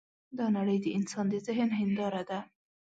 دا نړۍ د انسان د ذهن هینداره ده.